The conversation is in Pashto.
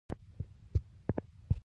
دا ابهام د لیکلو متونو څخه پېښ شوی دی.